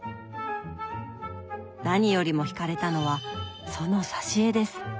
何よりもひかれたのはその挿絵です。